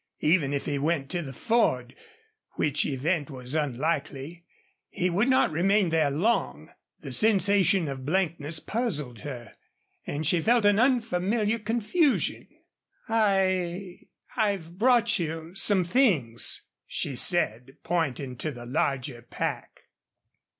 Even if he went to the Ford, which event was unlikely, he would not remain there long. The sensation of blankness puzzled her, and she felt an unfamiliar confusion. "I I've brought you some things," she said, pointing to the larger pack.